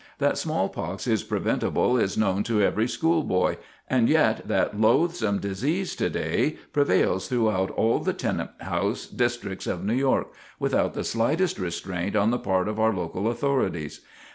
That smallpox is preventable is known to every school boy, and yet that loathsome disease to day prevails throughout all the tenant house districts of New York, without the slightest restraint on the part of our local authorities.